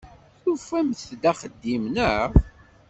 Tufamt-d axeddim, naɣ?